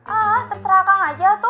ah terserah kang aja tuh